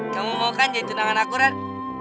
kamu mau kan jadi tunangan aku kan